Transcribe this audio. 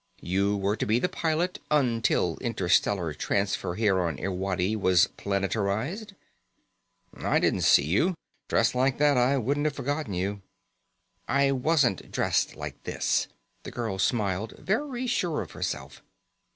You were to be the pilot, until Interstellar Transfer here on Irwadi was planetarized." "I didn't see you. Dressed like that I wouldn't have forgotten you." "I wasn't dressed like this." The girl smiled, very sure of herself.